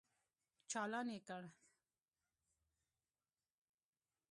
چالان يې کړ.